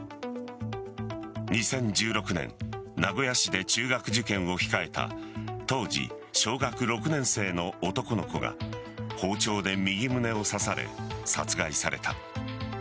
２０１６年名古屋市で中学受験を控えた当時、小学６年生の男の子が包丁で右胸を刺され殺害された。